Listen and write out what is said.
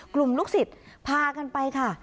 กลุ่มลูกศิษย์พากันไปค่ะ